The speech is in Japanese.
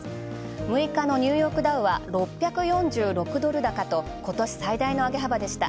６日のニューヨークダウは６４６ドル高と今年最大の上げ幅でした。